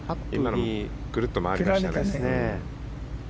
くるっと回りましたね。